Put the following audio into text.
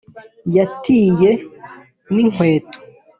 yatiye n’inkweto